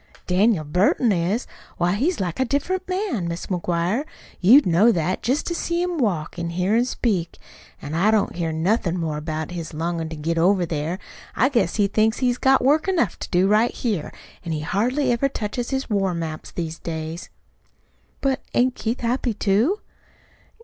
"Daniel Burton is. Why, he's like a different man, Mis' McGuire. You'd know that, jest to see him walk, an' hear him speak. An' I don't hear nothin' more about his longin' to get over there. I guess he thinks he's got work enough to do right here. An' he hardly ever touches his war maps these days." "But ain't Keith happy, too?"